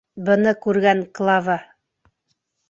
Быны күргән Клава: